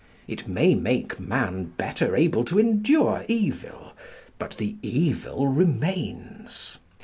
It may make man better able to endure evil, but the evil remains.